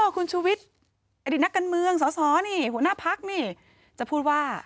อ๋อคุณชุวิตอดีตนักกันเมืองสอหน้าพักจะพูดว่า